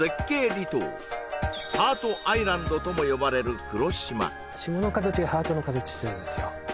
離島ハートアイランドとも呼ばれる黒島島の形がハートの形してるんですよ